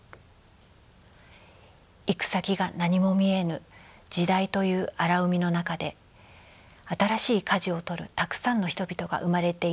「行く先が何も見えぬ時代という荒海の中で新しい舵を取るたくさんの人々が生まれているはずである。